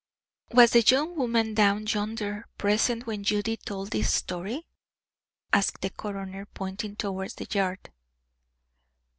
"Was the young woman down yonder present when Judy told this story?" asked the coroner, pointing towards the yard.